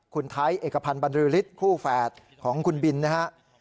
คุณไทยเอกพันธ์บรรลือฤทธิ์คู่แฝดของคุณบินนะครับ